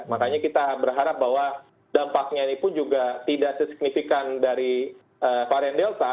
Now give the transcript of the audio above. makanya kita berharap bahwa dampaknya ini pun juga tidak sesignifikan dari varian delta